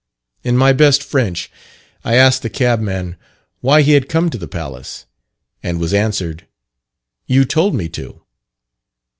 In my best French, I asked the cabman why he had come to the palace, and was answered, "You told me to."